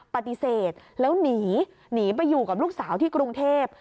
ปฏิเสธแล้วหนีหนีไปอยู่กับลูกสาวที่กรุงเทพ